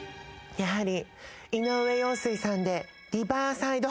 やはり。